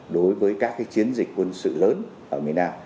đối với các chiến dịch quân sự lớn ở miền nam